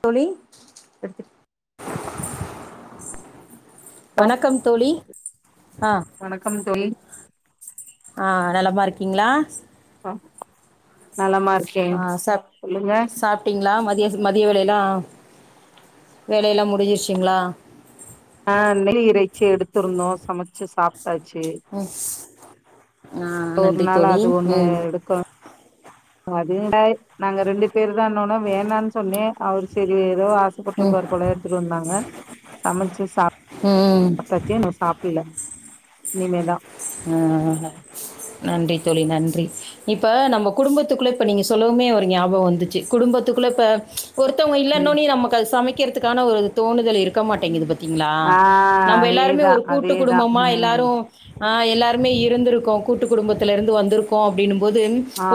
தோழி எடுத்து வணக்கம் தோழி ஆஹ வணக்கம் தோழி ஆஹ நலமா இருக்கீங்களா நலமா இருக்கே ஆஹ சாப் சொல்லுங்க சாப்டீங்ளா மதிய மதிய வேலையெல்லா வேலையெல்லா முடிஞ்சிருச்சுங்களா ஆஹ மெல்லி இரை ச்சி எடுத்துருந்தோ சமச்சு சாப் ச் உம் ஒரு நாள் அது ஒண்ணு ம் எடுக்கணு அது நாங்க ரெண்டு பேரு தான்னோன்ன வேணானு சொன்னே அவரு செரி ஏதோ ஆ ம் ஆசபட்ருப்பாரு போல எடுத்துட்டு வந்தாங்க சமச்சு சாப் ம் சாப்டாச்சு இன்னு சாப்படல இனிமேதா ஆஹ நன்றி தோழி நன்றி இப்ப நம்ம குடும்பத்துக்குள்ள இப்ப நீங்க சொல்லவுமே ஒரு ஞாபக வந்துச்சு குடும்பத்துக்குள்ள இப்ப ச் ஒருத்தவங்க ம் இல்லோன்னனோ நம்மக்கு அது சமைக் கிறதுக்கான ஒரு தோணுதல் இருக்க மாட்டிங்கிது பாத் திங்ளா ஆ நம்ம எல்லாருமே அதேதா ஒரு கூட்டு அதேதா குடும்பமா ம் எல்லாரு ஆஹ எல்லாருமே இருந்திருக்கோ கூட்டு குடும்பத்தில இருந்து வந்திருக்கோ அப்டின்னும் போது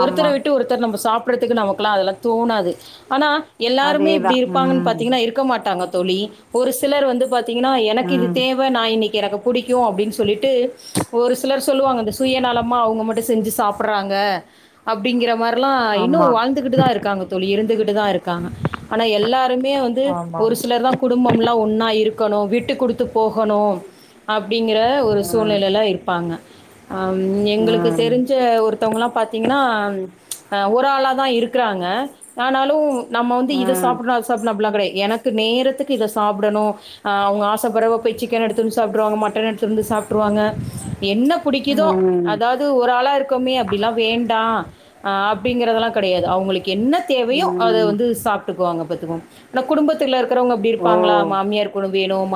ஒருத்தர விட்டு ஒருத்தர் நம்ம சாப் டறதுகு நமக்கெல்லா அதெல்லா தோணாது ஆனா எல்லாருமே அதேதா இப்டி இருப்பாங்கன்னு ம் பாத்தீங்கன்னா இருக்க மாட்டாங்க தோழி ஒரு சிலர் வந்து பாத் திங்ன்னா எனக்கு இது ம் தேவ நா இன்னிக்கு எனக்கு புடிக்கு அப்டின்னு சொ சொல்லிட்டு ஒரு சிலர் சொல்லுவாங்க அங்க சுயநலமா அவங்க மட்டு செஞ்சு சாப்படறாங்க அப்டிங்கிற மாரி ல்லா இன்னு ஆமா வாழ்ந்துகிட்டு தா இருக்காங்க தோழி இருந்துகிட் பிதா இரு க்காங்க ஆனா எல்லாருமே வந்து ஆமாம் ஒரு சிலர் தா குடும்பம் எல்லா ஒன்னா இருக் க்கணு விட்டு குடுத்து போகணு அப் டிங்கிற ஒரு ம் சூழ்நிலை ப்பாங்க ஆ எங்களுக்கு ம் தெரிஞ்ச ஒருத்தவங்கலா பாத்தீங்கன்னா ஆ ஒரு ஆளா தா இருக்கறாங்க ஆனாலு நம்ம வந்து இத ம் சாப்டலா அது சாப்டலா அப்படியெல்லா கிடையாது எனக்கு நேரத்துக்கு இத சாப்டணு அவுங்க ஆச பட்ற போய் சிக்கன் எடுத் வந்த் சாப்ட் வந்த்ருவாங்க மட்டன் எடுத்துட்டு வந்து சாப்ட்ருவாங்க என்ன பிடிக்குதோ ம் அதாவது ஒரு ஆளா இருக்கோமே அப்படிலா வேண்டா அ அப்படிங்கறதெல்லா கெடையாது அவுங்களுக் என்ன தேவையோ அத ம் வந்து சாப் இருக்குவாங்க பத்துக்கும் அந்த குடும்பத்தில இருக்கவங்க அப்படி ஓ! இருப்பாங்களா மாமியார் வேணும்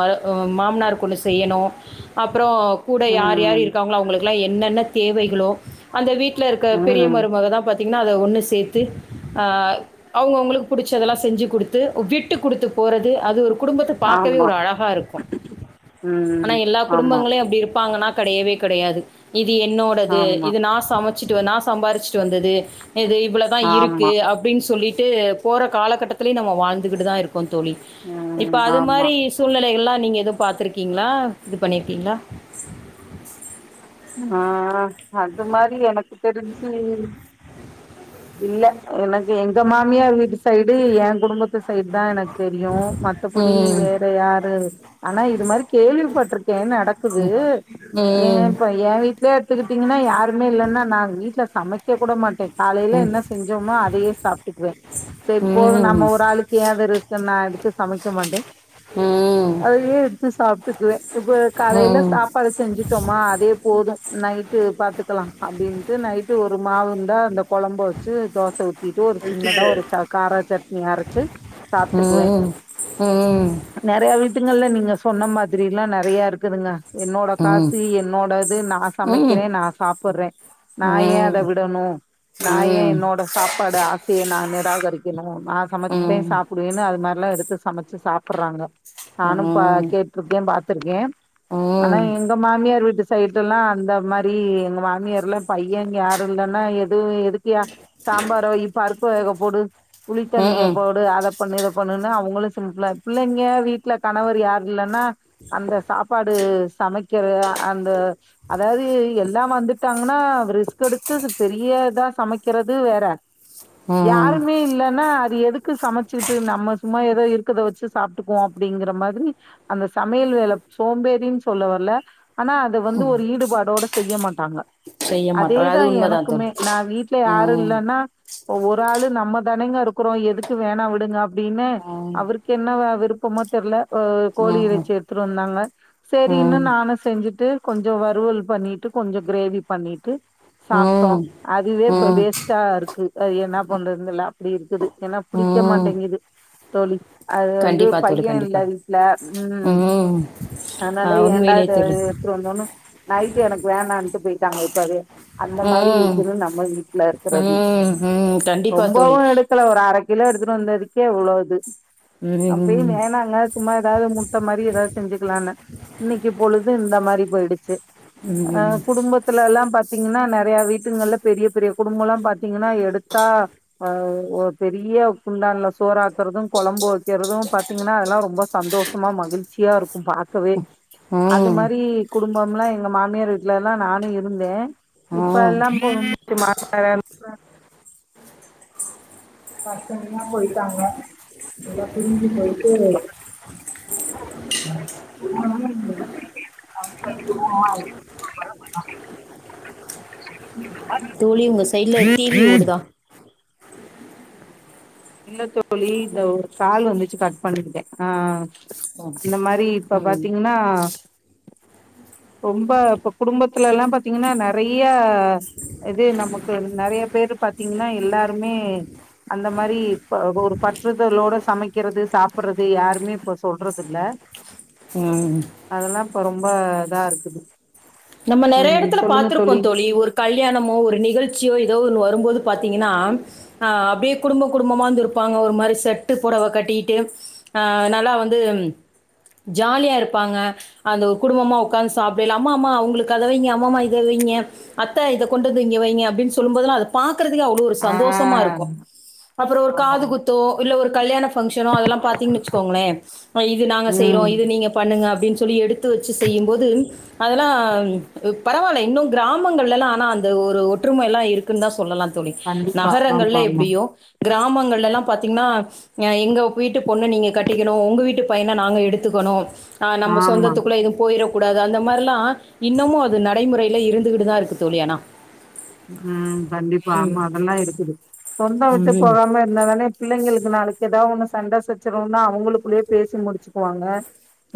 மாமனார் கொண்ணு செய்யணும் அப்புறம் கூட யார் யார் ம், இருக்காங்கலோ அவங்களுக்கு என்னென்ன தேவைகளோ அந்த வீட் இருக்க பெரிய ம். மருமக தா பத் த்தீங்கன்னா அத ஒன்னு சேர்த்து அவங்க அவங்களுக்கு பிடிச்சதெல்லாம் செஞ்சு கொடுத்து விட்டு குடுத்து போறது அது ஒரு குடும்பத்த பார்க்கவே ஆமா. ஒரு அழகா இருக்கும் ஆனா ம். எல்லா ஆமா, குடும்பங்களையும் அப்படி இருப்ப பாங்கனா கிடையவே கிடையாது இது என்னோடது ஆமா, இது நா சமத்த வச்சிட்டு நா சம்பாதிச்சிட்டு வந்தது இது இவ்வளோதா ஆமா. இருக்கு அப்படின்னு சொல்லிட்டு ட்டு போற காலகட்டத்திலயும் நம்ம வாழ்ந்துகிட்டு தா இரு தோழி இப்ப ம். அது ஆமா. மாதிரி சூழ்நிலைகல்லாம் நீங்க ஏதும் பா்த்திருக்கீங்களா இது பண்ணிருக்கீங்களா ஆஹா அது மாதிரி எனக்கு தெரிஞ்சி இல்ல எனக்கு எங்க மாமியார் வீட்டு சைடு ஏன் குடும்பம் எங்க சைடு தா எனக்கு தெரியும் ம் மத்தபடி ம் வேற யாரு ஆனா இது மாதிரி கேள்விபட்டுரு என்ன நடக்குது ஏ ஏ வீட்லியே எத்துக்கிட்டீங்கன்னா யாருமே இல்லன்னா நா வீட்ல சமைக்க கூட மாட்டே காலைல ம் என்ன செஞ்சோமோ அதயே சாப்ட்டுக்வே செரிப்போது நம்ம ம் ம் ஒரு ஆளுக்கு ஏ வெர சிக்கன் நா எடுத்து சமைக்க மாட்டே அதயே எடுத்து சாப்ட்டுக்குவே இப்ப காலைல ம் சாப்பாடு செஞ்சிட்டோமா அதே போது நைட்டு பாத்துக்கலா அப்டின்ட்டு நைட்டு ஒரு மாவு இந்தா அந்த கொழம்பு வெச்சு தோச ஊத்திட்டு ஒரு போயிட்டு சின்னதா ஒரு சா காரா சட்னி அரைச்சு ம் ம் சாப்ட்டுக்குவே ம் ம் ம் நறைய வீ ட்டுங்கள்ல நீங்க சொன்ன மாதிரி எல்லா நெறையா இருக்குதுங்க என்னோட ம் ம் காசு என்னோட து நா ம் சமைக்கிறே நா சாப்புர்றே நா ஏ அத விடணு நா ஏ என்னோட சாப்பாடு ஆசைய நானே தாகரிக்கணு நா ம் சமைச்பே சாப்புடுவேன்னு அது மார் ல்லா எடுத்து சமச்சு சாப்பட்றாங்க நானு ப ம்ம் கேட்ருக்கே பா த்துருகே ஆனா எங்க மாமியார் வீட்டு சைட்லெல்லா அந்த மாரி எங்க மாமியார்லா பையன்ங் யாரு இல்லன்னா எ இதுவு எதுக்கியா சாம்பாரோ இ பரு பு வேக போடு‌ புளித்தண்ணிய போடு அத பண்ணு இத பண்ணுணு அவுங்களு சிம்ப்லா பிள்ளைங்க வீட்ல கணவர் யாரு இல்லன்னா அந்த சாப்பாடு சமைக்கிற அ அதாவது எல்லா வந்துட்டாங்கனா வ் ரிஸ்க் எடுத்து பெரிய இதா சமைக்கிறது வேற ம் யாருமே இல்லன்னா எதுக் க்கு சமைச்சுட்டு நம்ம சும்மா து இருக்கற்த வெச்சு சாப்ட்க்குவோ அப்பிடிங்கிற மாதிரி அந்த சமையல் வேல சோம்பேறின் சொல்ல வர்ல ஆனா இத வந்து ஒரு ஈடுபாடோட செய்ய மா டாங்க. செய்ய மாட்டோம் அது அதேதா உண்மைதான் எனக்குமே தோழி நா வீட்ல யாரு ம் இல்லன்னா ஒரு ஆளு நம்ம தனிங்க இருக்குறோ எதுக்கு வேணா விடுங்க அ அப்டினு ம் ம் அவருக்கு என்ன வ விருப் பமோ தெர்ல ஓ கோழி ம் இறைச்சி எடுத்துட்டு வந்தாங்க சேரின்னு ம் நானு செஞ்சுட்டு கொஞ்சொ வறுவல் பண்ணிட்டு கொஞ்சொ க்ரேவி பண்ணிட்டு சாப்ட்டோ ம் அதுவே இப்ப வேஸ்ட்டா இருக் கு அது என்ன பண்றதுன் தெர்ல அப்டி இருக்குது ஏன்னா புடிக்க ம் மாட்டேங்குது தோழி அது வந்து கண்டிப்பா தோழி பைய இல்ல கண்டிப்பா வீட்ல ம் ஆ அத்னால ஏண்டா உண்மையிலே இத தோழி இன்னோனு நைட்டு எனக்கு வேணான்ட்டு போய்ட்டாங்க இப்பவே அந்த மாரி ம் இருக்குனு நம்ம வீட்ல இருக்கிறது ம் ம் கண்டிப்பா தோழி ரொம்பவு எடுக்கல ஒரு அரக் கிலோ எடுத்துட்டு வந்ததுக்கே இவ்ளோ இது ம் அப்பயு ம் வேணாங்க சும்மா ஏதாவது முட்ட மாரி ஏதாவது செஞ்சுக்கலான்ன இன்னிக்கு பொழுது இந்த மா ரி போயிடுச்சு அ குடும்பத்துல எல்லா பாத் தீங்னா நறைய வீட்டுங்கள்ல பெரிய பெரிய குடும்போலா பாத் தீங்கனா எடுத்தா ஆ ஓ பெரிய குண்டான்ல சோறாக்குறது கொழம்பு வைக்கிறதுவு பாத்தீங்கனா அதெல்லா ரொம்ப சந்தோஷமா மகிழ்ச்சியாருக் கு பாக்கவே அது மாரி ஆ குடும்பம்லா எங்க மாமியார் வீட்ல எல்லா நானு இருந்தே இப்ப எல்லாம் போச்சு மாமியார் ஏறந்துடாங்க தனிதனியா போய்ட்டாங்க எல்லா பிரிஞ்சு போய்ட்டு குடும்பமே தனித்தனி குடும்பமாயிட்டாங்க தோழி உங்க சைட்ல டிவி ஓடுதா இல்ல தோழி இந்த ஒரு கால் வந்துச்சு கட் பண்ணிப்புட்டே ஆ, ஆ அந்த மாரி ம் இப்ப ம் பாத்தீங்னா ரொம்ப இப்ப குடும்பத்துல எல்லா பாத்தீங்கனா நறையா ஆ‌ இது நமக்கு நறைய பேரு பாத்தீங்கனா எல்லாருமே அந்த மாரி ஒரு பற்றுதலோட சமைக் கிறது சாப்புட்றது யாருமே இப்ப சொல்றதுதில்ல ம் ப இத்தா இருக்குது நம்ம நெறைய ம் எடத்துல சொல்லுங்க பாத்துருப்போ தோழி ஒரு கல்யாணமோ ஒரு நிகழ் சியோ ஏதோ ஒரு வரும்போது பாத்தீங்கனா ஆ அப்டியே குடும்ப குடும்பமா வந்து இருப்பாங்க ஒரு மாரி செட்டு பொடவ கட்டிட்டு ஆ நல்லா வந்து ஜாலியா இருப்பாங்க அந்த குடும்பமா உக்காந்து சாப்டயில அம்மா அம்மா அவுங்ளுக்கு அத வைங்க அம்மா அம்மா இத வைங்க அத்த இத கொண்டு வந்து இங்க வைங்க அப்டின் சொல்லும்போதுலா அத பாக் குறதுக்கே அவ்ளோ ஒரு ஆ சந்தோஷமா இருக்கோ ஆமா அப்புறோ ஒரு ஆமா காதுகுத்தோ இல்ல ஒரு கல்யாண ஃபங்ஷனோ அதெல்லா பாத்தீங்கன்னு வெச்சுக்கோங்களே இது நாங்க செய்றோ ம் இது நீங்க பண்ணுங்க அப்டின் சொல்லி எடுத்து வெச்சு செய்யும்போது அதெல்லாம் பரவால்ல இன்னு கிராமங்கள்லலா ஆனா அந்த ஒரு ஒற்றும எல்லா இருக்குன் தா சொல்லலா தோழி கண்டிப்பா ஆமா நகரங்கள்ல ஆமா எப்டியோ கிராமங்கள்லலா பாத்தீங்னா எங்க வீட்டு பொண்ணு நீங்க கட்டிக்கணு உங்க வீட்டு பையன நாங்க எடுத்துக்கணு ஆஹ் நம்ம ஆமா சொந்தத்துக்குள்ள எதும் போயிர கூடாது அந்த மாரிலா இன்னமு அது நடைமுறைல இருந்துகிட்டுதா இருக்கு தோழி ஆனா உம் கண்டிப்பா ம். ஆமா அதெல்லா இருக்குது சொந்தோ விட்டு ம். போகாம இருந்தா தானே பிள்ளைங்ளுக் க்கு நாளைக்கு ஏதாவொன்னு சண்ட சச்சறவுனா அவுங்களுக்குள்ளியே பேசி முடிச்சுக்குவாங்க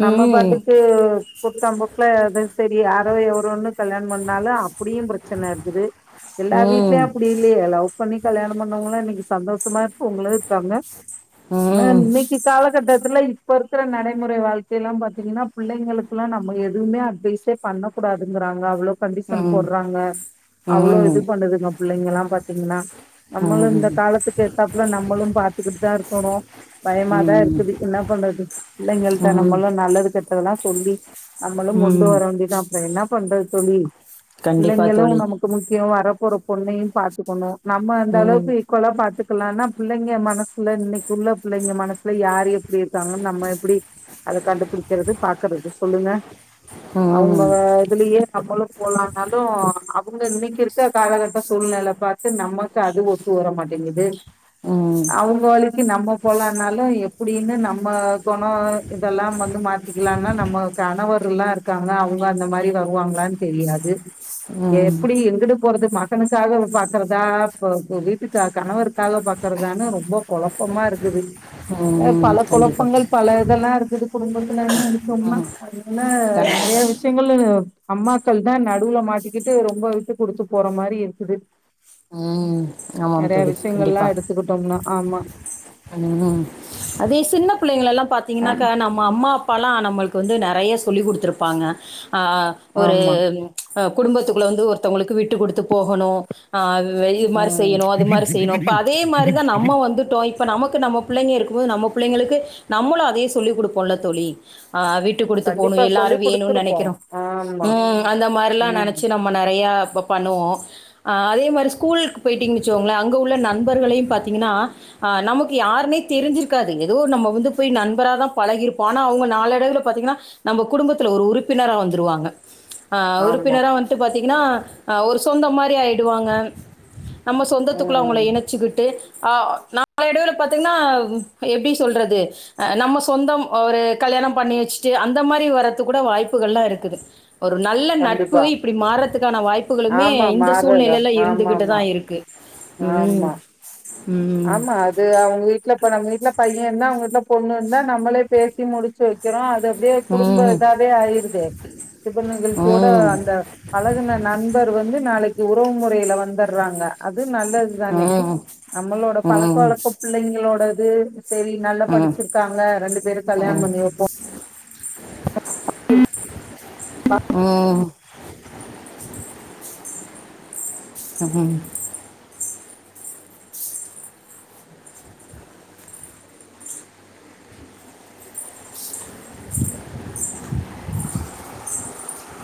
நம்ம ம். பாட்டுக்கு குருட்டாம்போக்ல அது சரி யாரோ எவரோன்னு கல்யாணம் பண்ணாலு அப்டியு பிரச்சன இருக்குது எல்லா ம். வீட்லயும் அப்டி இல்லியே லவ் பண்ணி கல்யாணம் பண்ணவங்கலா இன்னைக்கு சந்தோஷமா மா இருக்குறவங்களு இருக்காங்க ம் ஆனா ம் இன்னைக்கு காலகட்ட அதுல இப்ப இருக்றகு நடைமுறை வாழ்க்கைலா பாத்தீங்னா பிள்ளைங்ளுக்குலா நம்ம எதுவுமே அட்வைசு பண்ணக் கூடாதுங்றாங்க அவ்ளோ கண்டிஷன் ம் போட்றாங்க அவ்ளோ ம் இது பண்ணுதுங்க பிள்ளைங்கலாம் பாத்தீங்னா நம்மளும் இந்த காலத்துக்கேத்தாப்ல நம்மளும் பாத்துக்கிட்தா இருக்கணு பயமாதா ம் இருக்குது என்ன பண்றது பிள்ளைங்கள்ட ம் நம்மளும் நல்லது கெட்டதுலா சொல்லி நம்மளும் கொண்டு ம் வர வேண்டிதா அப்றோ என்னா பண்றது தோழி கண்டிப்பா தோழி முக்கியம் வர போற பொண்ணையு பாத்துக்கணு நம்ம ம் அந்தளவுக்கு ஈக்வலா பாத்து லானா பிள்ளைங்க மனசுல இன்னைக்குள்ள பிள்ளைங்க மனசுல யாரு எப்டி இருக்காங்கன்னு நம்ம எப்டி அத கண்டுபிடிக்கறது பாக்றது சொல்லுங்க அவுங்க ம் இதுலயே நம்மளும் போலானாலும் அவுங்க இன்னைக்கு இருக்ற காலகட்ட சூழ்நெலை பாத்து நமக்கு அது ஒத்து வர மாட்டேங்குது ம் அவங்க வலிக்கு நம்ம போலானாலும் எப் டின்னு நம்ம குணம் இதெல்லா வந்து மாத்திக்லானா நம்ம கணவர்லாம் இருக்காங்க அவங்க அந்த மாரி வருவாங்ளானு தெரியாது ம் எப்டி எங்குட்டு போறது ம கனுக்காக பாக்றதா இப்ப வீட்டுக்காக கணவருக்காக பாக்றதான்னு ரொம்ப குழப்பமா இருக்குது ம் பல கண்டிப்பா குழப்பங்கள் தோழி பல இதெல்லா இருக்குது குடும்பத்துலனு சொன்னா அதனால நிறய கண்டிப்பா விஷ்யங்கள் அம்மாக்கள்தா நடுல மாட்டி கிட்டு ரொம்ப விட்டு குடுத்து போற மாரி இருக்குது ம் ஆமாம் நிறய தோழி விஷ்யங்கள்லா எடுத்துகிட்டோம்னா ஆமா ஹம் அதே சின்ன பிள்ளைங்களால எல்லாம் அ பாத்தீங்கன்னாக்க நம்ம அம்மா அப்பாலா நம்மளுக்கு வந்து நறைய சொல்லி் கொடுத்துருப்பாங்க ஆ ஒரு ஆமா குடும்பத்துக்குள்ள வந்து ஒருத்தவங்களுக்கு விட்டு கொடுத்து போகணும் ஆஹ் து மாரி ம் செய்யணும் அது மாரி செய்யணும் ப்ப அதே மாரிதான் நம்ம வந்துட்டோம் நம்ம பிள்ளைங்க இருக்கும் போது நம்ம பிள்ளைங்களுக்கு நம்மளும் அதையே சொல்லி் கொடுப்போம்ல தோழி அ விட்டு கொடுத்து கண்டிப்பா போணும் சொல்லி எல்லாரும் வேணும்னு குடுத்துருப்போ நனைக்கிறோம் ஆமா ம் அந்த மாதிரிலாம் ம் நனைச்சி நம்ம நிறையா அப்ப பண்ணுவோம் அதே மாரி ஸ்கூலுக்கு போயிட்டீங்கு வச்சோங்களேன் அங்க உள்ள நண்பர்களையும் பாத்தீங்கன்னா ஆஹ் நமக்கு யாருன்னே தெரிஞ்சிருக்காது ஏதோ நம்ம வந்து போய் நண்பரா தான் பழகியிருப்போம் ஆனா அவங்க நாலு அடைவுல பாத்தீங்கன்னா நம்ம குடும்பத்துல ஒரு உறுப்பினரா வந்துருவாங்க ஆஹ ஆமா உறுப்பினரா வந்து பாத் ங்கன்னா ஒரு சொந்தம் மாதிரி ஆயிடுவாங்க நம்ம சொந்தத்துக்குள்ள அவங்கள ம் இணைச் சிக்கிட்டு ஆஹ் நா நாலு அடைவுல பாத்தீங்கன்னா எப்படி சொல்றது அஹ் நம்ம சொந்தம் ஒரு கல்யாணம் பண்ணி வச்சுட்டு அந்த மாதிரி வர்றது கூட வாய்ப்புகள் எல்லாம் இருக்குது ஒரு நல்ல நட்பு கண்டிப்பா இப்படி மாறுறதுக்கான வாய்ப்புகளுமே ஆமா இந்த மாறுதான் சூழ்நிலையில் ஆமாமா இருந்துகிட்டு ஆமா. தான் இருக்குது உம் ஆமா உம் ஆமா அது அவங்க வீட்டுல இப்ப நம்ம வீட்டுல பையன் இருந்தா அவங்க வீட்டுல பொண்ணு இருந்தா நம்மளே பேசி முடிச்சு வைக்கிறோம் அதை இதே ம் குடும்பம் ம் ம் இதாவே ஆயிருது சுப நிகழ்ச்சியோட ம் அந்த பழகுன நண்பர் வந்து நாளைக்கு உறவு முறையில வந்துடுறாங்க அது நல்லது தானே நம்மளோட பழக்க வழக்கோ பிள்ளைங்களோட அது சரி நல்லா படிச்சிருக்காங்க ரெண்டு பேரும் கல்யாணம் பண்ணி ம் வைப்போம் [inaudible] ம் ம் [inaudible]